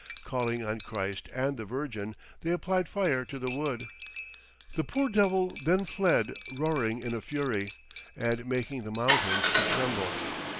Calling on Christ and the Virgin, they applied fire to the wood. "The poor Devil then fled roaring in a fury, and making the mountains to tremble."